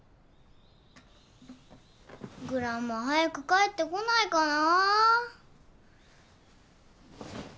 グランマ早く帰ってこないかな。